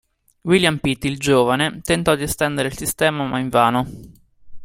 William Pitt il Giovane tentò di estendere il sistema, ma invano.